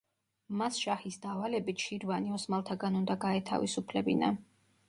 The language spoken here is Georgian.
მას შაჰის დავალებით შირვანი ოსმალთაგან უნდა გაეთავისუფლებინა.